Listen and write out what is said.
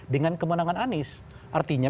dengan kemenangan anies artinya